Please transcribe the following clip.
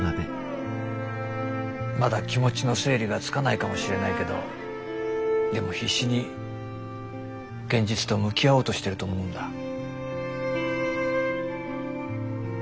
まだ気持ちの整理がつかないかもしれないけどでも必死に現実と向き合おうとしてると思うんだ。